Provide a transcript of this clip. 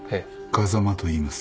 風間といいます。